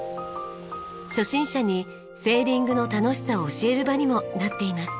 初心者にセーリングの楽しさを教える場にもなっています。